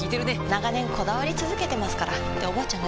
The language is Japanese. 長年こだわり続けてますからっておばあちゃん